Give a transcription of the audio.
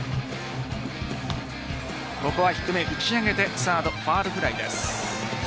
ここは低め、打ち上げてサードファウルフライです。